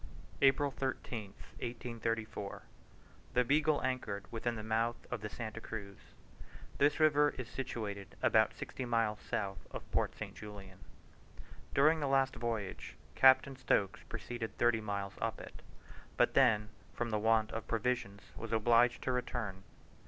APRIL 13, 1834. The Beagle anchored within the mouth of the Santa Cruz. This river is situated about sixty miles south of Port St. Julian. During the last voyage Captain Stokes proceeded thirty miles up it, but then, from the want of provisions, was obliged to return.